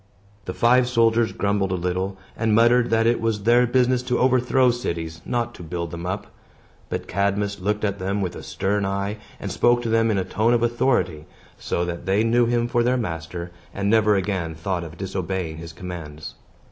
The five soldiers grumbled a little, and muttered that it was their business to overthrow cities, not to build them up. But Cadmus looked at them with a stern eye, and spoke to them in a tone of authority, so that they knew him for their master, and never again thought of disobeying his commands.